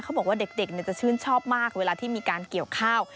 บอกว่าเด็กจะชื่นชอบมากเวลาที่มีการเกี่ยวข้าว